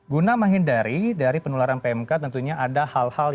guna menghindari dari penularan pmk tentunya ada hal hal yang